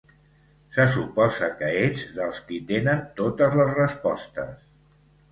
Se suposa que ets dels qui tenen totes les respostes.